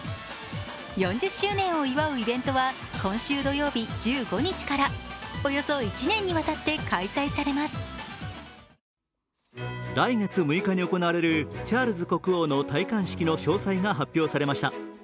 ４０周年を祝うイベントは今週土曜日、１５日からおよそ１年にわたって開催されます来月６日に行われるチャールズ国王の戴冠式の詳細が発表されました。